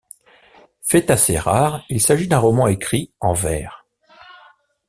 Fait assez rare, il s'agit d'un roman écrit en vers.